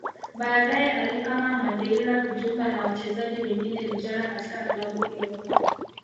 Baadaye alihama Madeira kujiunga na wachezaji wengine vijana katika klabu hiyo